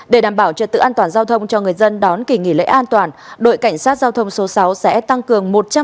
để đảm bảo trật tự an toàn giao thông cho người dân đón kỳ nghỉ lễ an toàn đội cảnh sát giao thông số sáu sẽ tăng cường một trăm linh